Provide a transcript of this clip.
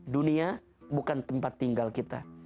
dunia bukan tempat tinggal kita